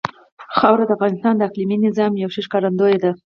خاوره د افغانستان د اقلیمي نظام یوه ښه ښکارندوی ده.